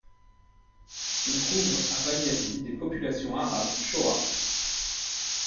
On trouve à Waliasi des populations arabes Choa.